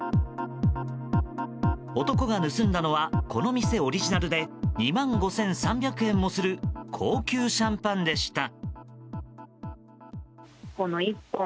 男が盗んだのはこの店オリジナルで２万５３００円もする高級シャンパンでした。